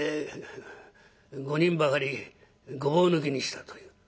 ５人ばかりごぼう抜きにしたという。